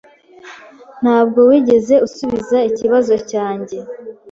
Ntabwo wigeze usubiza ikibazo cyanjye.